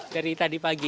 dari tadi pagi